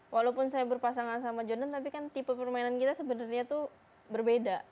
walaupun saya berpasangan sama jordan tapi kan tipe permainan kita sebenarnya tuh berbeda